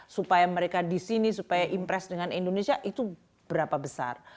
supaya mereka di sini supaya impress dengan indonesia itu berapa besar